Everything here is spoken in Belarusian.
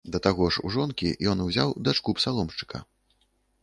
Да таго ж у жонкі ён узяў дачку псаломшчыка.